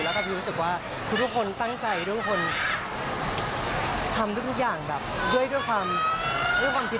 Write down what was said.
แล้วก็พีรู้สึกว่าทุกคนตั้งใจทุกคนทำทุกอย่างด้วยความคิด